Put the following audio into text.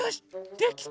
できた！